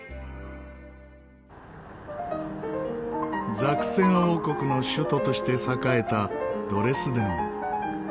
ザクセン王国の首都として栄えたドレスデン。